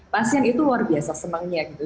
pasien itu luar biasa senangnya gitu